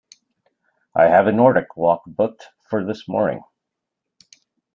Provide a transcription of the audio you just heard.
I have a Nordic walk booked for this morning.